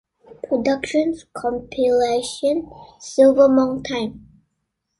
Productions compilation "Silver Monk Time".